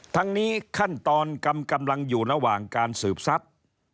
ทั้งนี้ขั้นตอนกำลังอยู่ระหว่างการสืบทรัพย์